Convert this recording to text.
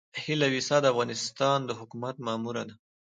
هيله ويسا د افغانستان د حکومت ماموره ده.